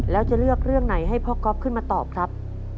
แล้วจะเลือกเรื่องไหนให้พ่อก๊อฟขึ้นมาตอบครับ